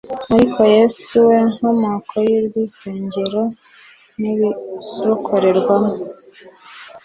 Ariko Yesu we nkomoko y'uruisengero n'ibirukorerwamo,